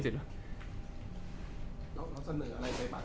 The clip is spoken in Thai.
จากความไม่เข้าจันทร์ของผู้ใหญ่ของพ่อกับแม่